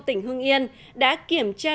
tỉnh hương yên đã kiểm tra